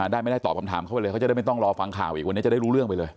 ได้ไม่ได้ตอบคำถามเข้าไปเลยเขาจะได้ไม่ต้องรอฟังข่าวอีกวันนี้จะได้รู้เรื่องไปเลย